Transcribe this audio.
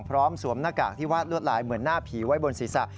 สวมหน้ากากที่วาดลวดลายเหมือนหน้าผีไว้บนศีรษะ